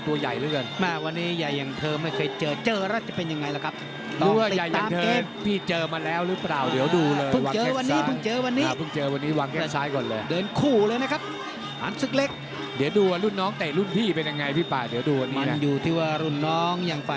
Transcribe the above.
ตามต่อยก๒ครับ